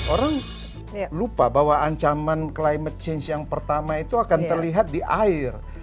orang lupa bahwa ancaman climate change yang pertama itu akan terlihat di air